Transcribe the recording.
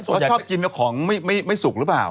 แล้วก็ชอบกินของที่ไม่สุกรึเปล่า